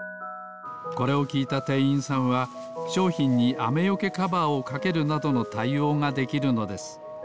これをきいたてんいんさんはしょうひんにあめよけカバーをかけるなどのたいおうができるのです。